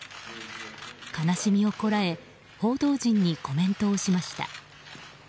悲しみをこらえ報道陣にコメントをしました。